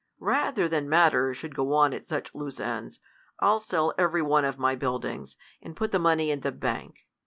Rather than matters should go on at such loose ends, I'll sell every one of my buildings, and put the money in bank.